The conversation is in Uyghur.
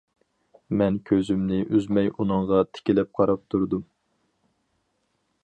مەن كۆزۈمنى ئۈزمەي ئۇنىڭغا تىكىلىپ قاراپ تۇردۇم.